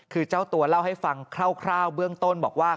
คือเจ้าตัวเล่าให้ฟังคร่าวเบื้องต้นบอกว่า